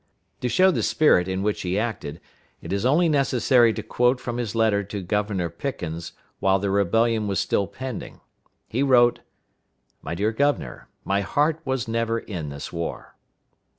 To show the spirit in which he acted, it is only necessary to quote from his letter to Governor Pickens while the rebellion was still pending. He wrote: "My dear Governor, my heart was never in this war."